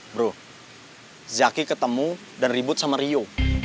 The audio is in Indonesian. bro zaki ketemu dan ribut sama rio